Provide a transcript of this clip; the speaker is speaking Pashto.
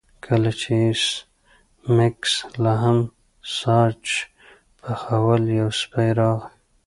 کله چې ایس میکس لاهم ساسج پخول یو سپی راغی